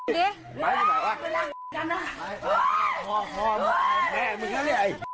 เดี๋ยวมึงโทรให้ผมบอกให้โทร